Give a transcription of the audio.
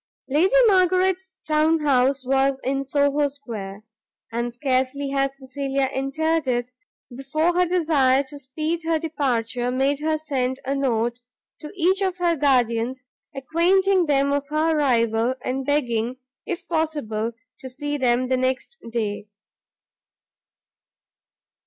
Lady Margaret's town house was in Soho Square; and scarcely had Cecilia entered it, before her desire to speed her departure, made her send a note to each of her guardians, acquainting them of her arrival, and begging, if possible, to see them the next day.